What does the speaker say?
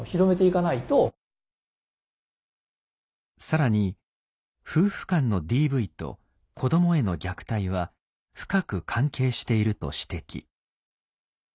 更に夫婦間のＤＶと子どもへの虐待は深く関係していると指摘。